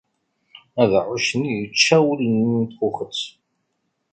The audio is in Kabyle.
Abeɛɛuc-nni yečča ul-nni n txuxet.